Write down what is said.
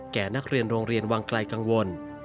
แก่นักเรียนโรงเรียนวังไกลกังวล